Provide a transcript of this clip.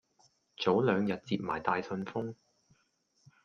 早兩日接埋大信封